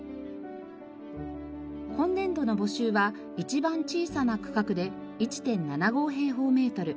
今年度の募集は一番小さな区画で１．７５平方メートル。